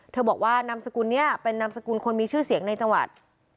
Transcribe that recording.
บอกว่านามสกุลนี้เป็นนามสกุลคนมีชื่อเสียงในจังหวัด